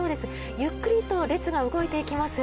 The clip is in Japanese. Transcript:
ゆっくりと列が動いていきます。